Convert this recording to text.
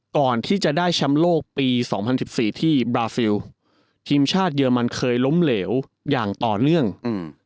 ก่อนที่จะได้แชมป์โลกปีสองพันสิบสี่ที่บราซิลทีมชาติเยอรมันเคยล้มเหลวอย่างต่อเนื่องอืม